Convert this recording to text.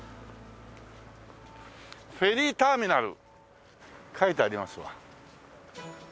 「フェリーターミナル」書いてありますわ。